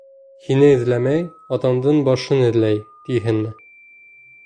Һине эҙләмәй, атаңдың башын эҙләй тиһеңме?